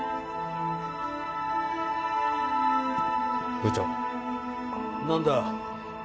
部長何だ？